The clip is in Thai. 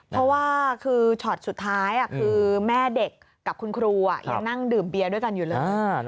เพราะว่าคือช็อตสุดท้ายคือแม่เด็กกับคุณครูยังนั่งดื่มเบียร์ด้วยกันอยู่เลย